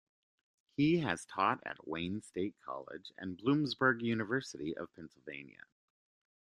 He has taught at Wayne State College and Bloomsburg University of Pennsylvania.